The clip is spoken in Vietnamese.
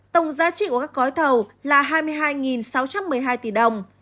tổng giá trị của các gói thầu là hai mươi hai sáu trăm một mươi hai tỷ đồng